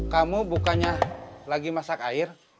kamu bukannya lagi masak air